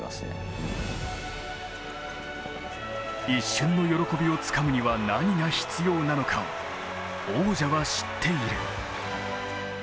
一瞬の喜びをつかむには、何が必要なのかを王者は知っている。